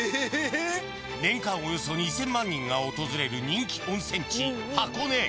年間およそ２０００万人が訪れる人気温泉地・箱根。